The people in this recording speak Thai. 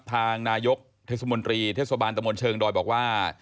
ทางนายกเทศมนตรีเทศบาลตะมนต์เชิงดอยบอกว่า